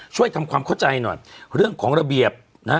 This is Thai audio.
ช่วยทำความเข้าใจหน่อยเรื่องของระเบียบนะฮะ